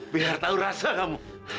biar tau rasa kamu